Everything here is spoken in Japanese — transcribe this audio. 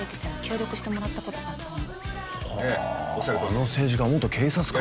ああの政治家元警察官か。